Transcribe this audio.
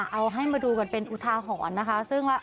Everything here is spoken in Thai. เอาให้มาดูกันเป็นอุทาหรณ์นะคะ